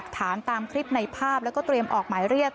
ตามคลิปในภาพแล้วก็เตรียมออกหมายเรียก